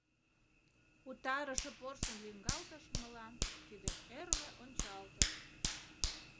Утарыше порсын лӱҥгалтыш мылам тиде ӧрмӧ ончалтыш.